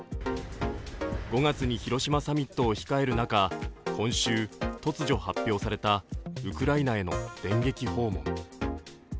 ５月に広島サミットを控える中、今週、突如発表されたウクライナへの電撃訪問。